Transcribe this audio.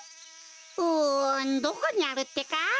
うんどこにあるってか？